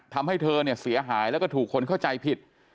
ทำให้เธอเนี่ยเสียหายแล้วก็ถูกคนเข้าใจผิด